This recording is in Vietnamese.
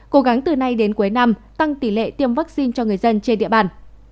cố gắng từ nay đến cuối năm tăng tỷ lệ tiêm vaccine cho người dân trên địa bàn